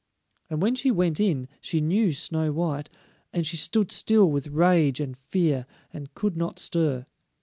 And when she went in she knew Snow white; and she stood still with rage and fear, and could not stir.